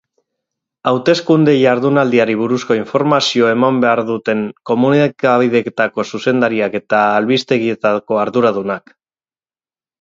Hauteskunde jardunaldiari buruzko informazio eman behar duten komunikabideetako zuzendariak eta albistegietako arduradunak.